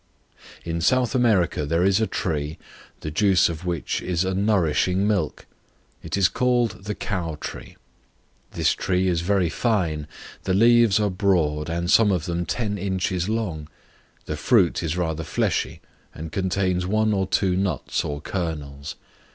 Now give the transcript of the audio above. In South America there is a tree, the juice of which is a nourishing milk; it is called the Cow Tree. This tree is very fine; the leaves are broad, and some of them ten inches long; the fruit is rather fleshy, and contains one or two nuts or kernels.